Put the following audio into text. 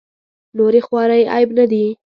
نورې خوارۍ عیب نه دي.